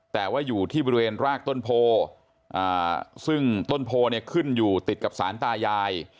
แต่ว่าอยู่ที่บริเวณรากต้นโพซึ่งต้นโพเนี่ยขึ้นอยู่ติดกับสารตายาย